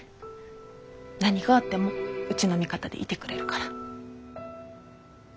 何があってもうちの味方でいてくれるから。